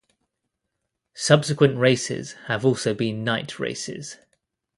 Subsequent races have also been night races.